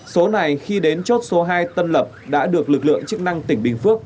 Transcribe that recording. số này khi đến chốt số hai tân lập đã được lực lượng chức năng tỉnh bình phước